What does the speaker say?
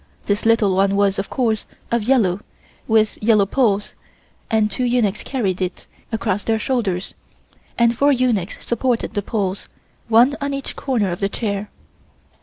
This little one was, of course, of yellow, with yellow poles, and two eunuchs carried it, with yellow rope across their shoulders, and four eunuchs supported the poles, one on each corner of the chair.